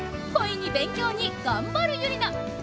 恋に勉強に頑張るユリナ！